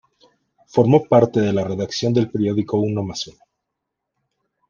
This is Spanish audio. Formó parte de la redacción del periódico Unomásuno.